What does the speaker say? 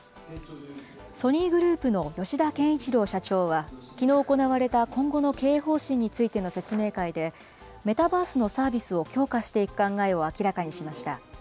ソニーグループの吉田憲一郎社長は、きのう行われた今後の経営方針についての説明会で、メタバースのサービスを強化していく考えを明らかにしました。